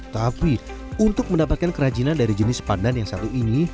tapi untuk mendapatkan kerajinan dari jenis pandan yang satu ini